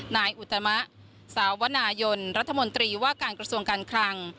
นายอุตมะสาวนายนรัฐมนตรีว่าการกระทรวงการคลัง